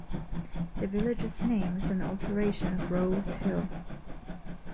The village's name is an alteration of Roe's Hill.